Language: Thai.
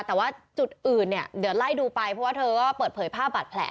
แต่ว่าจุดอื่นเนี่ยเดี๋ยวไล่ดูไปเพราะว่าเธอก็เปิดเผยภาพบาดแผล